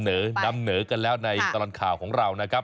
นำเหนอกันแล้วในตลอดข่าวของเรานะครับ